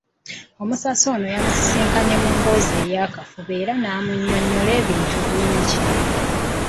Omusasi ono yamusisinkanye mu mboozi ey’akafubo era n'amunnyonnyola ebintu bingi.